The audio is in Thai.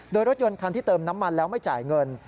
โดยรถยนต์คันที่เติมน้ำมันแล้วไม่จ่ายเงิน